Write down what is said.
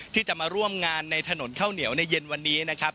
ที่จะมาร่วมงานในถนนข้าวเหนียวในเย็นวันนี้นะครับ